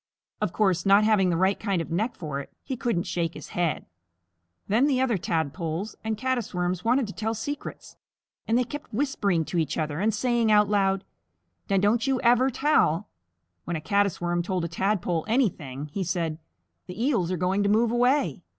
Of course, not having the right kind of neck for it, he couldn't shake his head. Then the other Tadpoles and Caddis Worms wanted to tell secrets, and they kept whispering to each other and saying out loud, "Now don't you ever tell." When a Caddis Worm told a Tadpole anything, he said, "The Eels are going to move away."